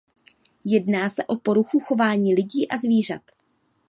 Jedná se o poruchu chování lidí a zvířat.